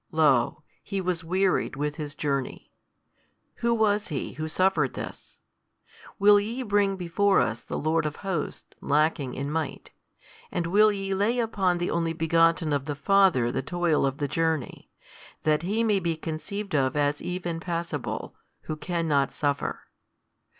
Lo, He was wearied with His journey: Who was He Who suffered this? will ye bring before us the Lord of Hosts lacking in might, and will ye lay upon the Only Begotten of the Father the toil of the journey, that He may be conceived of as even Passible, Who cannot suffer?